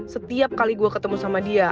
setiap kali gue ketemu sama dia